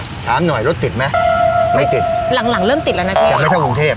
ถามหน่อยรถติดไหมไม่ติดหลังหลังเริ่มติดแล้วนะพี่ยังไม่เข้ากรุงเทพ